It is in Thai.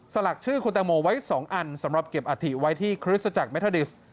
สลักชื่อคุณแตงโมไว้๒อันสำหรับเก็บอาถิไว้ที่คริสตจักรเมทาดิส